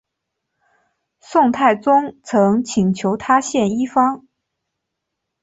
宋太宗曾请求他献医方。